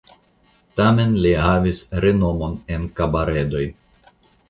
Tamen li havis renomon en kabaredoj.